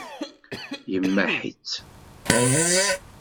Yemmaḥ-itt.